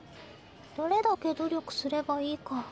どれだけ努力すればいいか